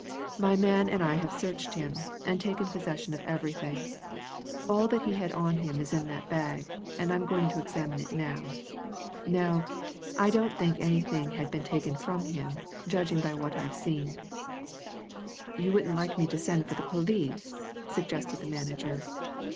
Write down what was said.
"My man and I have searched him, and taken possession of everything all that he had on him is in that bag, and I'm going to examine it now. No I don't think anything had been taken from him, judging by what I've seen." "You wouldn't like me to send for the police?" suggested the manager.